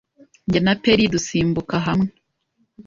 Njye na peri dusimbuka hamwe